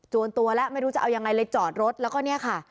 วนตัวแล้วไม่รู้จะเอายังไงเลยจอดรถแล้วก็เนี่ยค่ะ